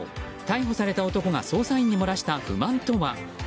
逮捕された男が捜査員に漏らした不満とは。